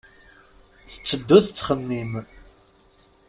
Tetteddu tettxemmim.